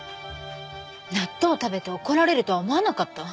納豆食べて怒られるとは思わなかった。